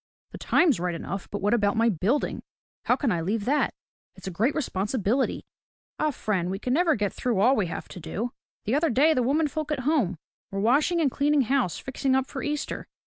"The time's right enough, but what about my building? How can I leave that. It's a great responsibility." "Eh, friend, we can never get through all we have to do. The other day the women folk at home were washing and cleaning house, fixing up for Easter.